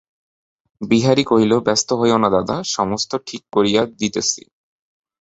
বিহারী কহিল, ব্যস্ত হইয়ো না দাদা, সমস্ত ঠিক করিয়া দিতেছি।